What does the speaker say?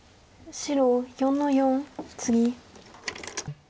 白４の四ツギ。